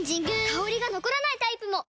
香りが残らないタイプも！